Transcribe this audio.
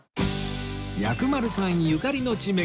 薬丸さんゆかりの地巡り